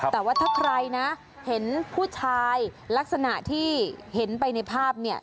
แต่ว่าถ้าใครนะเห็นผู้ชายลักษณะที่เห็นไปในภาพเนี่ย